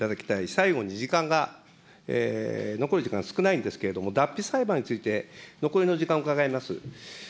最後に時間が、残り時間少ないんですけれども、Ｄａｐｐｉ裁判について、残りの時間、伺います。